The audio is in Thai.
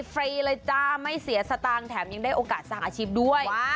ฟรีเลยจ้าไม่เสียสตางค์แถมยังได้โอกาสสร้างอาชีพด้วย